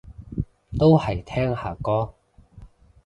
都係聽下歌